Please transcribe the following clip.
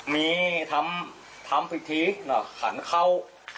มีทำพิธีหันเข้า